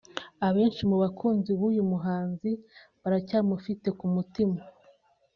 Abenshi mu bakunzi b’uyu muhanzi baracyamufite ku mutima